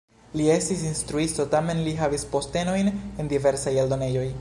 Li estis instruisto, tamen li havis postenojn en diversaj eldonejoj.